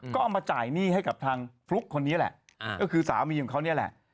ก็เอามาจ่ายหนี้ให้กับทางฟลุ๊กคนนี้แหละก็คือสามีของเขานี่แหละ